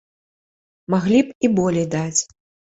Маглі б і болей даць.